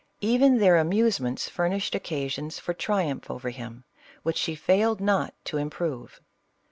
Even their amusements fur nished occasions for triumph over him, which she failed not to improve.